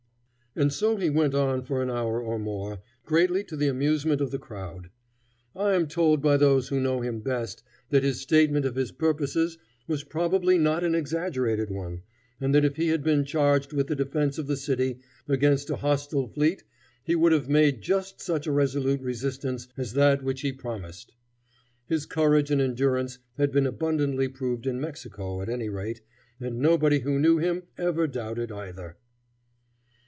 And so he went on for an hour or more, greatly to the amusement of the crowd. I am told by those who knew him best that his statement of his purposes was probably not an exaggerated one, and that if he had been charged with the defense of the city against a hostile fleet, he would have made just such a resolute resistance as that which he promised. His courage and endurance had been abundantly proved in Mexico, at any rate, and nobody who knew him ever doubted either.